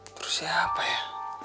terus siapa ya